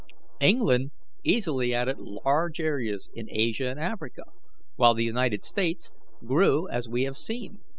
England easily added large areas in Asia and Africa, while the United States grew as we have seen.